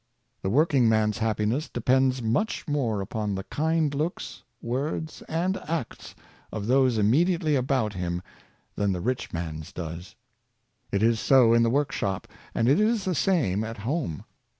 The working man's happiness depends much more upon the kind looks, words, and acts of those immediately about him than the rich man's does. It is so in the workshop, and it is the same at home.